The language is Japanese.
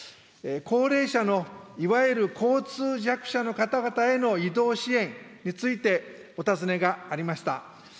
高齢者のいわゆる交通弱者の方々への移動支援について、お尋ねがありました。